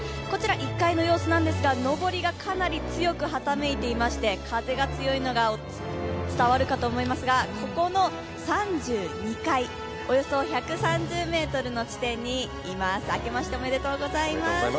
こちら１階の様子なんですが、のぼりがかなり強くはためいていまして風が強いのが伝わるかと思いますがそこの３２階、およそ１３０ｍの地点にいます。